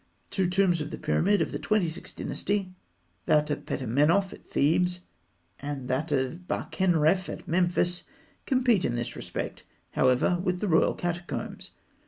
Two tombs of the period of the Twenty sixth Dynasty that of Petamenoph at Thebes and that of Bakenrenf at Memphis compete in this respect, however, with the royal catacombs.